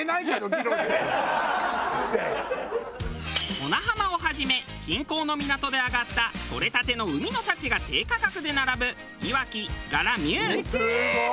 小名浜をはじめ近郊の港で揚がったとれたての海の幸が低価格で並ぶいわき・ら・ら・ミュウ。